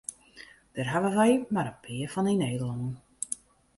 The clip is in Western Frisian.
Dêr hawwe wy mar in pear fan yn Nederlân.